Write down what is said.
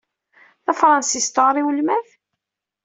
Tafṛensist tewɛeṛ i welmad?